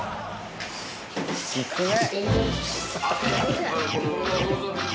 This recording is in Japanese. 「いくね」